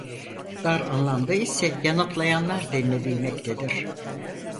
Dar anlamda ise yanıtlayanlar denilebilmektedir.